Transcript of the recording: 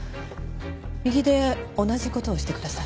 右で同じ事をしてください。